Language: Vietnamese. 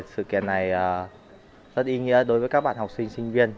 sự kiện này rất ý nghĩa đối với các bạn học sinh sinh viên